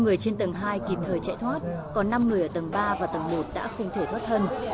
một người trên tầng hai kịp thời chạy thoát còn năm người ở tầng ba và tầng một đã không thể thoát thân